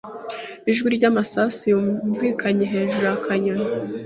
Ijwi ry’amasasu ryumvikanye hejuru ya kanyoni.